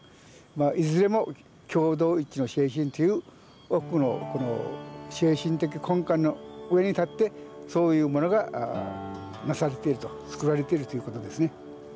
いずれも共同一致の精神という奥の精神的根幹の上に立ってそういうものがなされているとつくられているということですね。